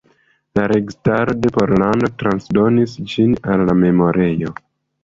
La registaro de Pollando transdonis ĝin al la memorejo.